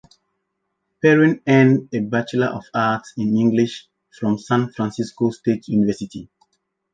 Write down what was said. Perrin earned a Bachelor of Arts in English from San Francisco State University.